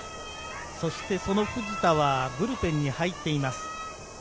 そしてその藤田はブルペンに入っています。